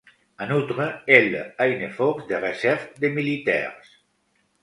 En outre, elle a une force de réserve de militaires.